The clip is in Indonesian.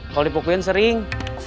kalau dipukulin sering